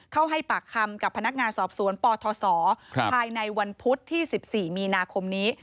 ให้ปากคำกับพนักงานสอบสวนปทศภายในวันพุธที่๑๔มีนาคมนี้